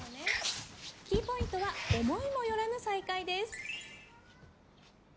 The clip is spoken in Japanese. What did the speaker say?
キーポイントは思いも寄らぬ再会です。